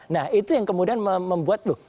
nah itu yang kemudian membuat loh